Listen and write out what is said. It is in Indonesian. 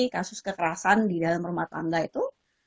kasus kekerasan di dalam rumah tangga itu